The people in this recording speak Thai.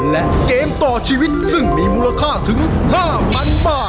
และเกมต่อชีวิตซึ่งมีมูลค่าถึง๕๐๐๐บาท